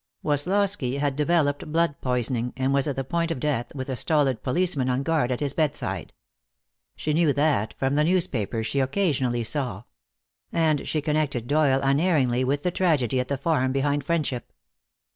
Woslosky had developed blood poisoning, and was at the point of death, with a stolid policeman on guard at his bedside. She knew that from the newspapers she occasionally saw. And she connected Doyle unerringly with the tragedy at the farm behind Friendship.